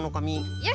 よし。